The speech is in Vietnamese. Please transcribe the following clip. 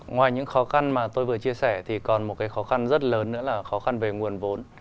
ngoài những khó khăn mà tôi vừa chia sẻ thì còn một cái khó khăn rất lớn nữa là khó khăn về nguồn vốn